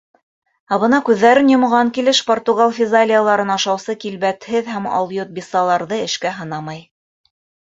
Ә бына күҙҙәрен йомған килеш португал физалияларын ашаусы килбәтһеҙ һәм алйот биссаларҙы эшкә һанамай.